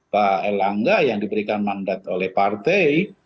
pak elangga yang diberikan mandat oleh partai